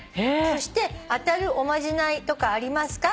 「そして当たるおまじないとかありますか？